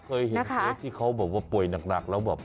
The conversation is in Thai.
เคยเห็นเคสที่เขาแบบว่าป่วยหนักแล้วแบบ